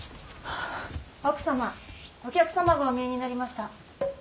奥様お客様がお見えになりました。